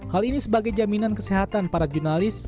hal ini sebagai jaminan kesehatan para jurnalis